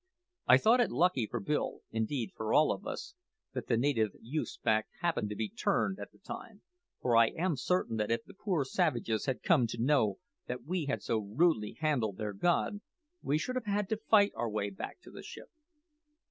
I thought it lucky for Bill indeed for all of us that the native youth's back happened to be turned at the time, for I am certain that if the poor savages had come to know that we had so rudely handled their god we should have had to fight our way back to the ship.